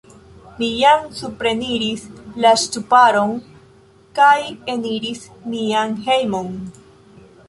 Mi jam supreniris la ŝtuparon kaj eniris mian hejmon.